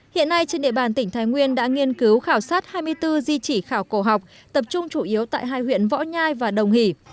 hiện nay trên địa bàn tỉnh thái nguyên đã nghiên cứu khảo sát hai mươi bốn di chỉ khảo cổ học tập trung chủ yếu tại hai huyện võ nhai và đồng hỷ